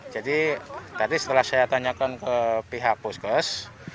jadi tadi setelah saya tanyakan ke pihak poskes